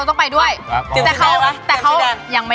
แล้วก็ขอ๓๙๒ชีวิตตัว่านะคะ